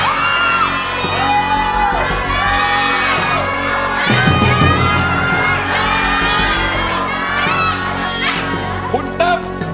คุณตำ